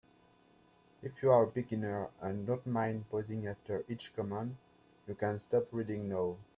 If you are a beginner and don't mind pausing after each command, you can stop reading now.